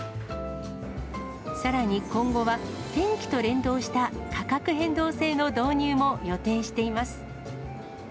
さらに今後は、天気と連動した価格変動制の導入も予定しています。